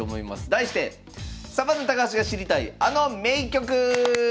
題して「サバンナ高橋が知りたい！あの名局」！